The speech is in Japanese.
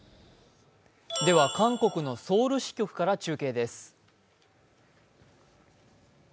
では、韓国のソウル支局から中継です。